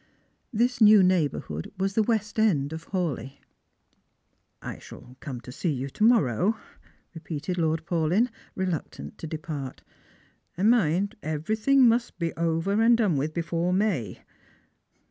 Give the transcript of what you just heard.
This new neighbourhood was the west end of Hawleigh. " I shall come to see you to morrow," repeated Lord Paulyn, reluctant to depart. " And mind, everything must be over and done with before May.